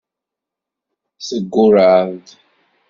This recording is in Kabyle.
Teggurreɛ-d.